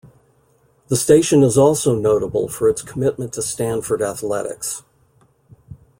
The station is also notable for its commitment to Stanford athletics.